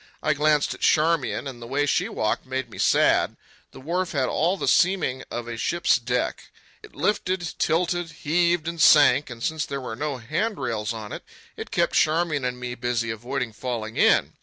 I glanced at Charmian, and the way she walked made me sad. The wharf had all the seeming of a ship's deck. It lifted, tilted, heaved and sank; and since there were no handrails on it, it kept Charmian and me busy avoiding falling in.